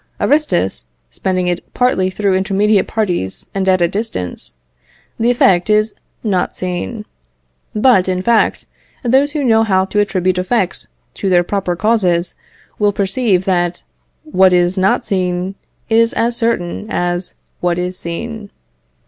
Aristus, spending it partly through intermediate parties, and at a distance, the effect is not seen. But, in fact, those who know how to attribute effects to their proper causes, will perceive, that what is not seen is as certain as what is seen.